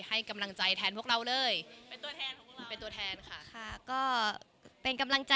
เราจะรักกันเหรอ